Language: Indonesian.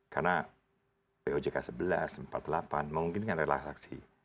karena pojk sebelas empat puluh delapan mungkin kan relaaksi